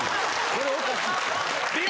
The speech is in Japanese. これおかしい。